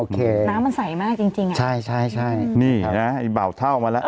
อืออะไรอย่างนี้น้ำมันใสมากจริงอ่ะนี่นะอีบ่าวเท่ามาแล้ว